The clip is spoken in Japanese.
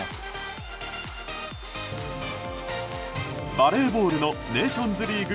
バレーボールのネーションズリーグ